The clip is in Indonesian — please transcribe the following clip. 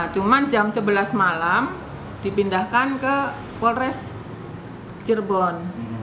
cuma jam sebelas malam dipindahkan ke polres cirebon